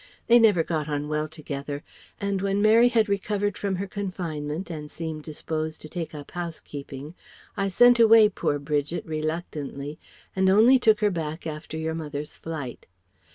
They never got on well together and when Mary had recovered from her confinement and seemed disposed to take up housekeeping I sent away poor Bridget reluctantly and only took her back after your mother's flight.